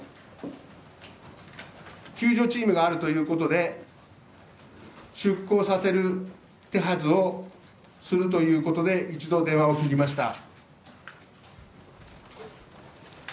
救助チームがあるということで、出港させる手はずをするということで一度電話を切りました。